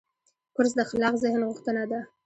کورس د خلاق ذهن غوښتنه ده.